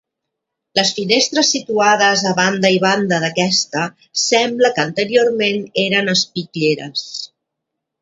Les finestres situades a banda i banda d'aquesta sembla que anteriorment eren espitlleres.